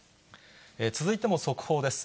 続いても速報です。